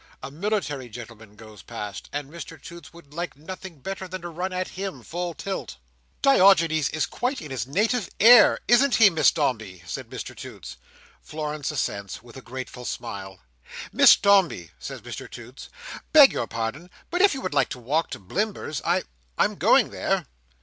A military gentleman goes past, and Mr Toots would like nothing better than to run at him, full tilt. "Diogenes is quite in his native air, isn't he, Miss Dombey?" says Mr Toots. Florence assents, with a grateful smile. "Miss Dombey," says Mr Toots, "beg your pardon, but if you would like to walk to Blimber's, I—I'm going there."